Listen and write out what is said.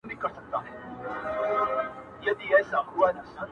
ستا د حسن ترانه وای!